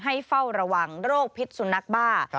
เฝ้าระวังโรคพิษสุนัขบ้า